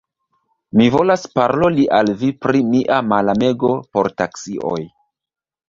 Mi volas paroli al vi pri mia malamego por taksioj.